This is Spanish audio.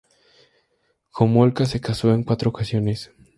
Homolka se casó en cuatro ocasiones.